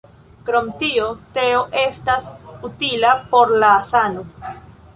Krom tio, teo estas utila por la sano.